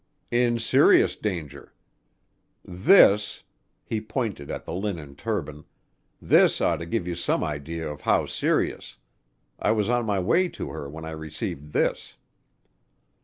"In serious danger. This " he pointed at the linen turban, "this ought to give you some idea of how serious; I was on my way to her when I received this."